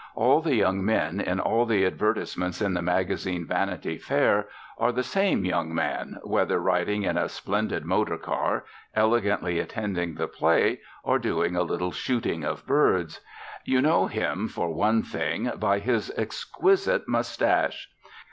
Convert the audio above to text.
All the young men in all the advertisements in the magazine Vanity Fair are the same young man, whether riding in a splendid motor car, elegantly attending the play, or doing a little shooting of birds. You know him, for one thing, by his exquisite moustache.